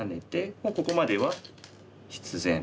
もうここまでは必然ですね。